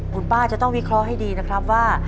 คุณป้าจะต้องวิเคราะห์ให้ดีนะครับว่า